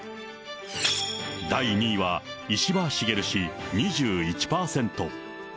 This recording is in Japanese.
第２位は、石破茂氏２１％。